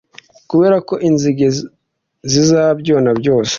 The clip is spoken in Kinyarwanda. kubera ko inzige zizabyona byose.